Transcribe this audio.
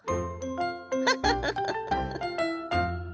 フフフフ。